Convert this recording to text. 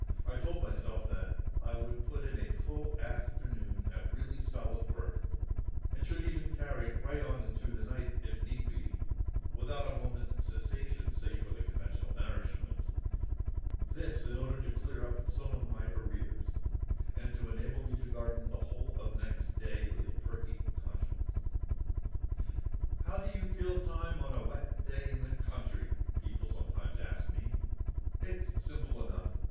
I told myself I would put in a full afternoon at really solid work, and would even carry it right on into the night, if need be, without a moment's cessation save for the conventional nourishment—this, in order to clear up some of my arrears, and to enable me to garden the whole of next day with a perky conscience. "How do you kill time on a wet day in the country?" people sometimes ask me. It's simple enough.